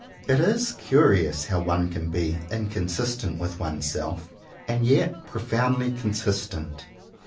It is curious how one can be inconsistent with oneself, and yet profoundly consistent.